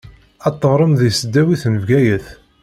Ad teɣṛem di tesdawit n Bgayet.